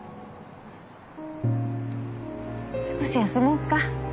少し休もうか。